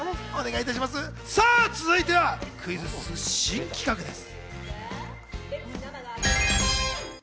続いてはクイズッス新企画です。